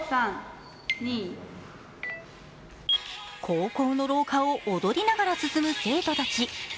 高校の廊下を踊りながら進む生徒たち。